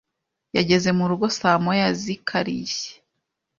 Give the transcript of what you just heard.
Yageze murugo saa moya zikarishye.